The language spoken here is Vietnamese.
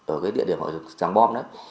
ở cái địa điểm ở tràng bom